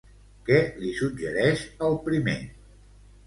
Què li suggereix el primer?